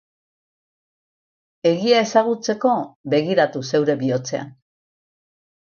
Egia ezagutzeko, begiratu zeure bihotzean.